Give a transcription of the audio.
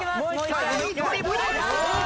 さらにトリプル！